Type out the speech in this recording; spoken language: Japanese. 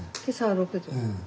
今朝は６時。